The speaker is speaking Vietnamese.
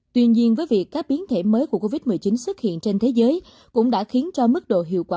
tuy nhiên với việc các biến thể mới của covid một mươi chín xuất hiện trên thế giới cũng đã khiến cho mức độ hiệu quả